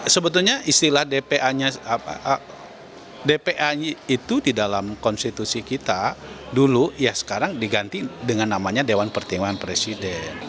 sebetulnya istilah dpa nya dpa nya itu di dalam konstitusi kita dulu ya sekarang diganti dengan namanya dewan pertimbangan presiden